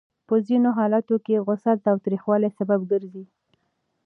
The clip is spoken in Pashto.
په ځینو حالتونو کې غوسه د تاوتریخوالي سبب ګرځي.